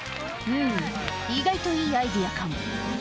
意外といいアイデアかも。